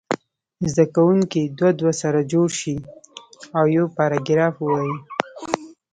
زده کوونکي دوه دوه سره جوړ شي او یو پاراګراف ووایي.